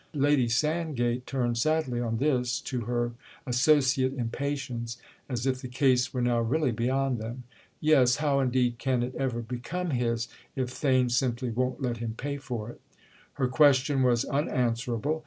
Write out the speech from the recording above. Lady Sandgate turned sadly on this to her associate in patience, as if the case were now really beyond them. "Yes, how indeed can it ever become his if Theign simply won't let him pay for it?" Her question was unanswerable.